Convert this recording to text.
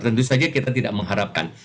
tentu saja kita tidak mengharapkan